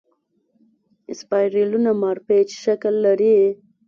اسپایرلونه مارپیچ شکل لري.